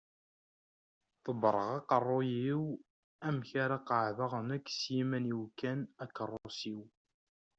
Ḍebbreɣ aqerru-iw amek ara qeεεdeɣ nekk s yiman-iw kan akeṛṛus-iw.